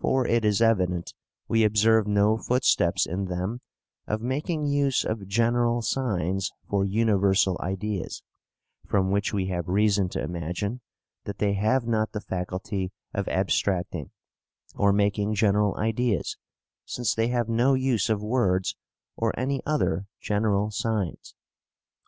For, it is evident we observe no footsteps in them of making use of general signs for universal ideas; from which we have reason to imagine that they have not the faculty of abstracting, or making general ideas, since they have no use of words or any other general signs.'